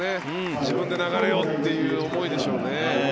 自分で流れをっていう思いでしょうね。